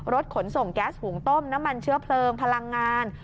ขนส่งแก๊สหุงต้มน้ำมันเชื้อเพลิงพลังงาน